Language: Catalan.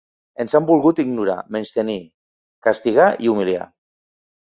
Ens han volgut ignorar, menystenir, castigar i humiliar.